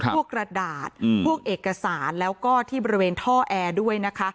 กระดาษพวกเอกสารแล้วก็ที่บริเวณท่อแอร์ด้วยนะคะ